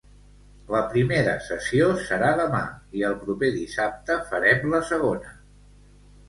La primera sessió serà demà i el proper dissabte farem la segona.